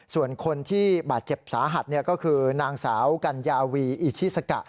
ส่วนคนที่บาดเจ็บสาหัสก็คือนางสาวกัญญาวีอิชิสกะ